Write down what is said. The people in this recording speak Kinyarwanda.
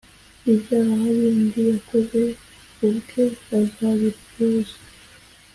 ibyaha bindi yakoze ku bwe azabiryozwe